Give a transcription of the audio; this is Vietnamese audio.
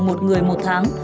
một người một tháng